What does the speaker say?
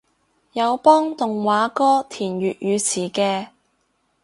有幫動畫歌填粵語詞嘅